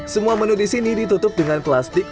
semua menu di sini ditutup dengan plastik